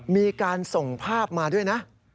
มีการส่งภาพมาด้วยนะ